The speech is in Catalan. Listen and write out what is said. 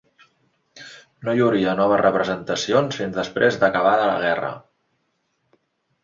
No hi hauria noves representacions fins després d'acabada la guerra.